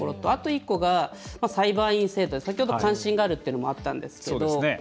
あと１個が、裁判員制度先ほど関心があるというのもあったんですけど